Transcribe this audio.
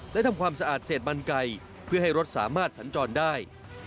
และทำความสะอาดเศษบันไก่เพื่อให้รถสามารถสัญจรได้